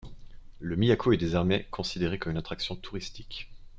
Le Miyako est désormais considéré comme une attraction touristique.